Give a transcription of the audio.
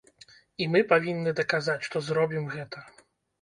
І мы павінны даказаць, што зробім гэта.